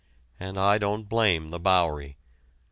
And I don't blame the Bowery.